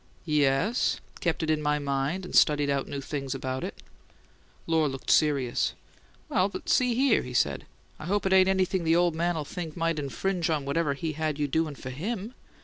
"Yes. Kept it in my mind and studied out new things about it." Lohr looked serious. "Well, but see here," he said. "I hope it ain't anything the ole man'll think might infringe on whatever he had you doin' for HIM.